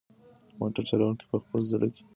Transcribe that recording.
موټر چلونکي په خپل زړه کې د خپل کلي د سیند غږ حس کړ.